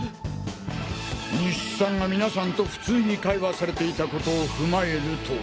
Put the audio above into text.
西津さんが皆さんと普通に会話されていた事をふまえると。